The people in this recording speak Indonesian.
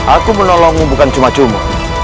aku menolongmu bukan cuma cuma